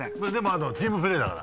チームプレーだから。